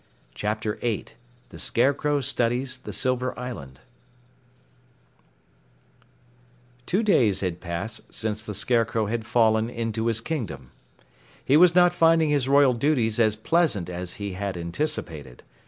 CHAPTER 8 THE SCARECROW STUDIES THE SILVER ISLAND Two days had passed since the Scarecrow had fallen into his Kingdom. He was not finding his royal duties as pleasant as he had anticipated.